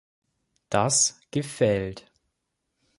Das gefällt!